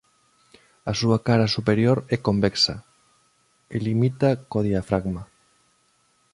A súa cara superior é convexa e limita co diafragma.